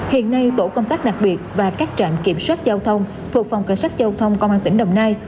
hiện nay tổ công tác đặc biệt và các trạm kiểm soát giao thông thuộc phòng cảnh sát giao thông công an tỉnh đồng nai